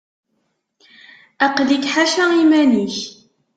Aql-ik ḥaca iman-ik.